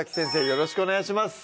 よろしくお願いします